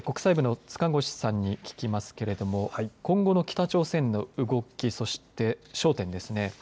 改めて国際部の塚越さんに聞きますけれども今後の北朝鮮の動き、そして焦点ですね。